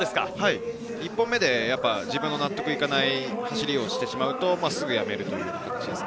１本目で自分の納得いかない走りをしてしまうと、すぐやめるという。